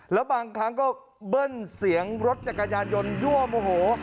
แล้วบางครั้งก็เบิ้ลเสียงรถจักรยานยนต์ยั่วโมโห